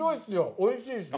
おいしいし。